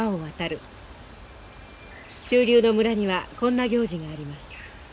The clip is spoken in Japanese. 中流の村にはこんな行事があります。